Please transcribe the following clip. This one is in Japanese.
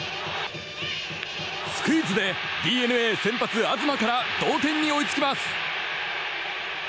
スクイズでＤｅＮＡ先発、東から同点に追いつきます。